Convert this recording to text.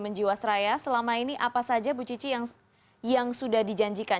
menjiwasraya selama ini apa saja ibu cici yang sudah dijanjikan